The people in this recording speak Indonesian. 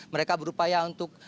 mereka berupaya untuk